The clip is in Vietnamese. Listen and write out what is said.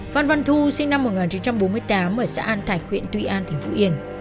phan văn thu sinh năm một nghìn chín trăm bốn mươi tám ở xã an thạch huyện tuy an tỉnh phú yên